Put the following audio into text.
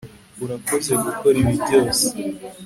Urakoze gukora ibi byose